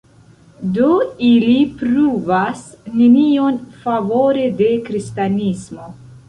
Do ili pruvas nenion favore de kristanismo.